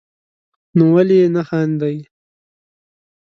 نو ولي نه خاندئ